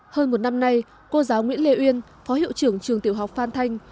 hơn một năm nay cô giáo nguyễn lê uyên phó hiệu trưởng trường tiểu học phan thanh